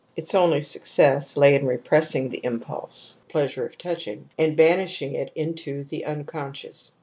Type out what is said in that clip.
Its only suc cess lay in repressing the impulse (the pleasure of touching) and banishing it into the uncon scious.